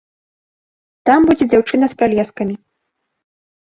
Там будзе дзяўчына з пралескамі.